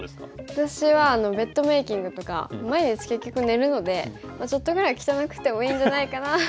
私はベッドメーキングとか毎日結局寝るのでちょっとぐらい汚くてもいいんじゃないかなっていうのは。